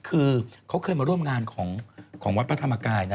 คือเขาเคยมาร่วมงานของวัดพระธรรมกายนะ